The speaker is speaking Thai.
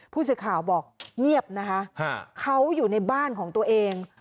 ผู้สื่อข่าวบอกเงียบนะคะเขาอยู่ในบ้านของตัวเอง